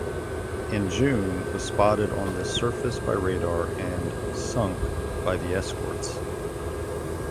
In June was spotted on the surface by radar and sunk by the escorts.